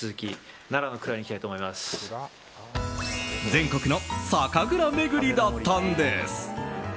全国の酒蔵巡りだったんです。